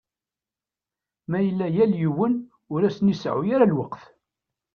Ma yella yal yiwen ur asen-iseɛɛu ara lweqt.